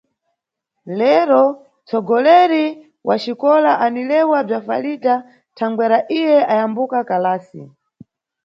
Lero, nʼtsogoleri wa xikola anilewa bza Falidha thangwera iye ayambuka kalasi.